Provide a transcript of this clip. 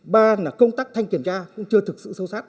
ba là công tác thanh kiểm tra cũng chưa thực sự sâu sát